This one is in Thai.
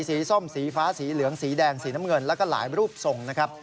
ส้มสีฟ้าสีเหลืองสีแดงสีน้ำเงินแล้วก็หลายรูปทรงนะครับ